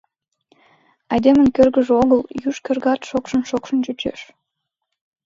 Айдемын кӧргыжӧ огыл, юж кӧргат шокшын-шокшын чучеш.